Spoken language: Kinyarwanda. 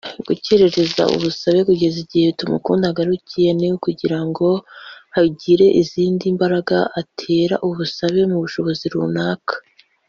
gukereza ubusabe kugeza igihe “Tumukunde agarukiye” ni ukugira ngo hagire izindi mbaraga atera ubusabe mu bushobozi runaka